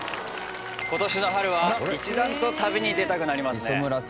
今年の春は一段と旅に出たくなりますね。